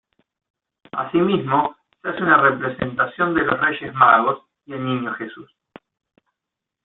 Asimismo, se hace una representación de los Reyes Magos y el niño Jesús.